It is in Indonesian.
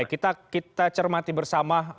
kita cermati bersama